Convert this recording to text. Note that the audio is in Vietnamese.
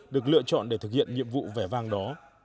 được lựa chọn để thực hiện nhiệm vụ vẻ vang đó